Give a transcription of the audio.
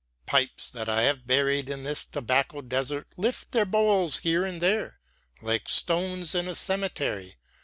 Pipes that I have buried in this tobacco desert lift their bowls here and there like stones in a cemetery.